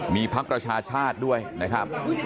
มีพักประชาชาติด้วยนะครับ